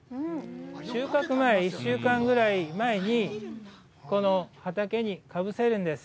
収穫前、１週間ぐらい前に、この畑にかぶせるんです。